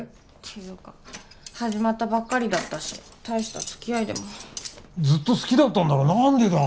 ていうか始まったばっかりだったし大した付き合いでもずっと好きだったんだろ何でだ！？